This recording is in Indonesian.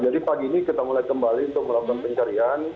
jadi pagi ini kita mulai kembali untuk melakukan pencarian